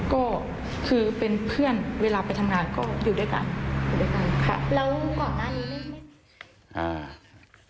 ก็คือเป็นเพื่อนเวลาไปทำงานก็อยู่ด้วยกัน